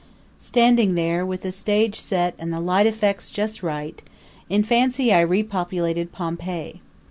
Standing there, with the stage set and the light effects just right, in fancy I repopulated Pompeii.